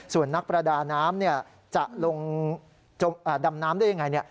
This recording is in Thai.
ส่วนนักประดาน้ำจะลงดำน้ำได้ยังไง